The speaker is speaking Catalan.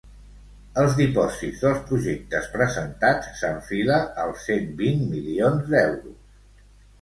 Els dipòsits dels projectes presentats s’enfila als cent vint milions d’euros.